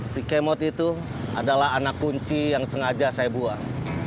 si kemot itu adalah anak kunci yang sengaja saya buang